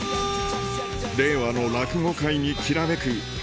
令和の落語界にきらめく